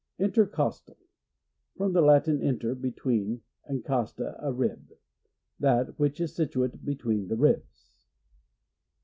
Intercostal — From the Latin, inter, between, and costa, a rib. That which is situate between the ribs.